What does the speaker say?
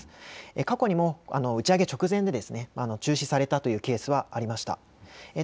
過去にも打ち上げ直前で中止されたというケースはありました。